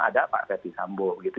ada pak ferti sambo gitu